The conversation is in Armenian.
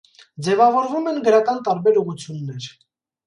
Ձևավորվում են գրական տարբեր ուղղություններ։